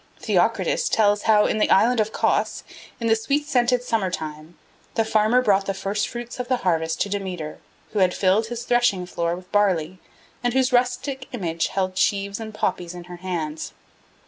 Theocritus tells how in the island of Cos, in the sweet scented summer time, the farmer brought the first fruits of the harvest to Demeter who had filled his threshingfloor with barley, and whose rustic image held sheaves and poppies in her hands.